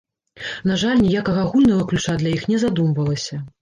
На жаль, ніякага агульнага ключа для іх не задумвалася.